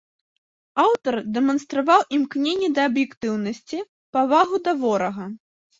Аўтар дэманстраваў імкненне да аб'ектыўнасці, павагу да ворага.